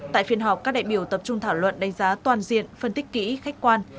tại phiên họp các đại biểu tập trung thảo luận đánh giá toàn diện phân tích kỹ khách quan